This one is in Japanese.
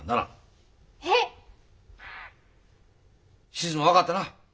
志津も分かったな？